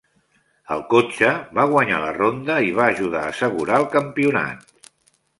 El cotxe va guanyar la ronda i va ajudar a assegurar el campionat.